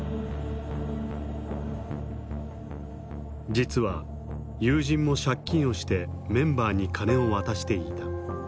実は友人も借金をしてメンバーに金を渡していた。